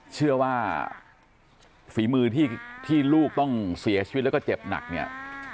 เชื่อว่าฝีมือที่ลูกต้องเสียชีวิตแล้วก็เจ็บหนักเนี่ย